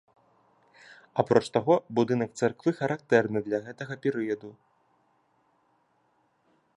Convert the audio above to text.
Апроч таго, будынак царквы характэрны для гэтага перыяду.